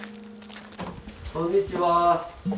こんにちは。